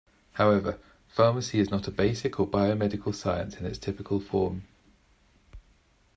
However, pharmacy is not a basic or biomedical science in its typical form.